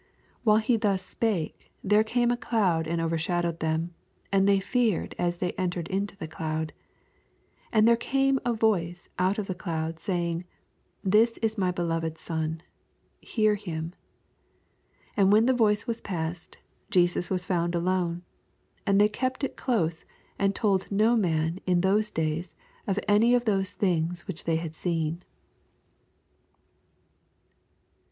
84 While he thus spake, there came a cloud and overshadowed them : and they feared as they entered into the cloud. 85 And there came a voice out 07 the doud, saying. This is my beloved Son : hear hun. 86 And when the voice was past^ Jesus was found alone. And they kept U close, and told no man in those days any of those things which they had seen.